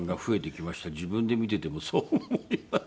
自分で見ててもそう思います。